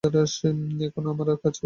এখন আমার কাছেও করুন।